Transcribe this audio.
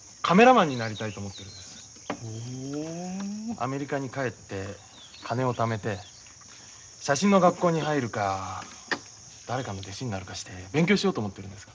アメリカに帰って金をためて写真の学校に入るか誰かの弟子になるかして勉強しようと思ってるんですが。